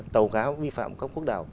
tàu cáo vi phạm các quốc đảo